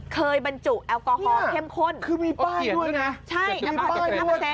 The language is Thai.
เคยบรรจุแอลกอฮอล์เข้มข้นคือมีป้ายด้วยนะใช่มีป้ายด้วย